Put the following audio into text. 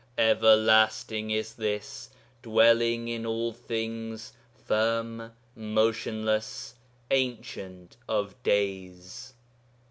Everlasting is This, dwelling in all things, firm, motionless, ancient of days.'